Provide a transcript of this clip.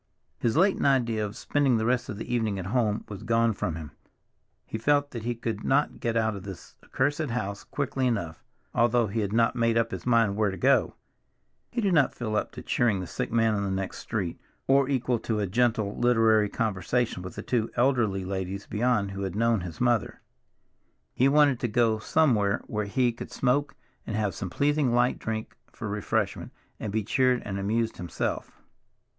His latent idea of spending the rest of the evening at home was gone from him—he felt that he could not get out of this accursed house quickly enough, although he had not made up his mind where to go; he did not feel up to cheering the sick man in the next street, or equal to a gentle literary conversation with the two elderly ladies beyond who had known his mother. He wanted to go somewhere where he could smoke and have some pleasing light drink for refreshment, and be cheered and amused himself.